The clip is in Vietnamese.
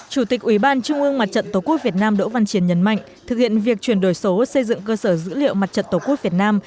chủ tịch ủy ban trung ương mặt trận tổ quốc việt nam đỗ văn chiến nhấn mạnh thực hiện việc chuyển đổi số xây dựng cơ sở dữ liệu mặt trận tổ quốc việt nam